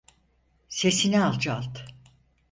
Sesini alçalt!